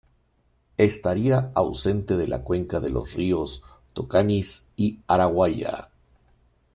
Estaría ausente de la cuenca de los ríos Tocantins y Araguaia.